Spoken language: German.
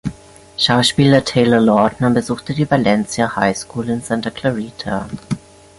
Schauspieler Taylor Lautner besuchte die Valencia Highschool in Santa Clarita.